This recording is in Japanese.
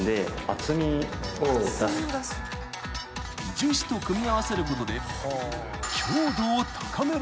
［樹脂と組み合わせることで］